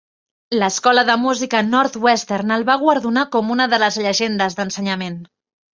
L'Escola de Música Northwestern el va guardonar com una de les Llegendes d'Ensenyament.